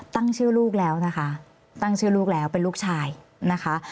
ตั้งชื่อลูกแล้วนะคะตั้งชื่อลูกแล้วเป็นลูกชายนะคะ